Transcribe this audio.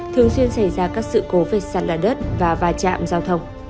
thường xuyên xảy ra các sự cố vệ sản lạ đất và và trạm giao thông